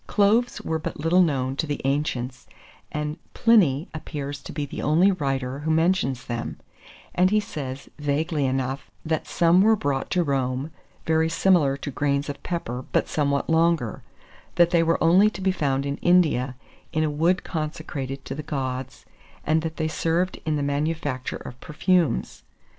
Cloves were but little known to the ancients, and Pliny appears to be the only writer who mentions them; and he says, vaguely enough, that some were brought to Rome, very similar to grains of pepper, but somewhat longer; that they were only to be found in India, in a wood consecrated to the gods; and that they served in the manufacture of perfumes.